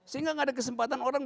sehingga gak ada kesempatan orang